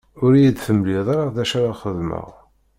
Ur iyi-d-temliḍ ara d acu ara xedmeɣ.